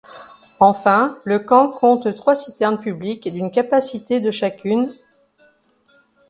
Enfin, le camp compte trois citernes publiques d'une capacité de chacune.